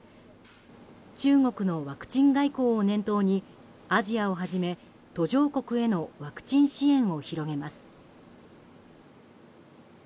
中国のワクチン外交を念頭にアジアをはじめ途上国へのワクチン支援を広げます。